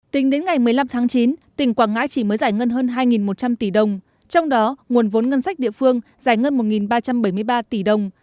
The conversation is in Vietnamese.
tính đến ngày một mươi năm tháng chín tỉnh quảng ngãi chỉ mới giải ngân hơn hai một trăm linh tỷ đồng trong đó nguồn vốn ngân sách địa phương giải ngân một ba trăm bảy mươi ba tỷ đồng